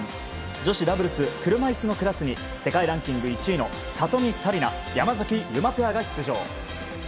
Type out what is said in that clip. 女子ダブルス車いすのクラスに世界ランキング１位の里見紗李奈、山崎悠麻ペアが出場。